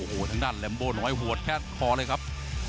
โอ้โหทางด้านแลมโบน้อยหัวแค่คอเลยครับ